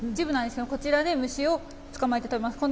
こちらで虫を捕まえて食べます。